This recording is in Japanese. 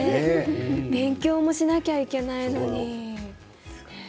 勉強もしないといけないのに。